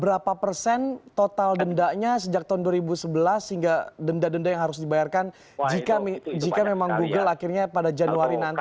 berapa persen total dendanya sejak tahun dua ribu sebelas hingga denda denda yang harus dibayarkan jika memang google akhirnya pada januari nanti